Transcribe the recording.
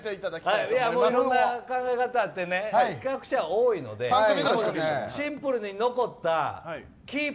いろんな考え方があって失格者、多いのでシンプルに残ったキープ